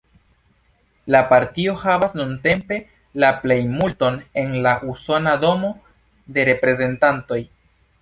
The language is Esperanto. La partio havas nuntempe la plejmulton en la Usona Domo de Reprezentantoj.